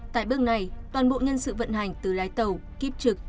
tại bước này toàn bộ nhân sự vận hành từ lái tàu kiếp trực